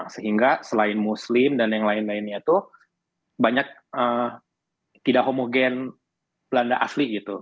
sehingga selain muslim dan yang lain lainnya itu banyak tidak homogen belanda asli gitu